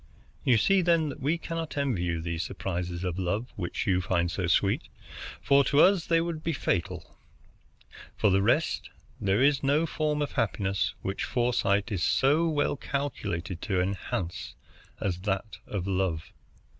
You see, then, that we cannot envy you these surprises of love which you find so sweet, for to us they would be fatal. For the rest, there is no form of happiness which foresight is so well calculated to enhance as that of love.